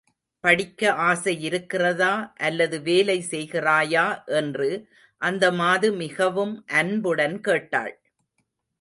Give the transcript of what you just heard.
படிக்க ஆசையிருக்கிறதா அல்லது வேலை செய்கிறாயா என்று அந்த மாது மிகவும் அன்புடன் கேட்டாள்.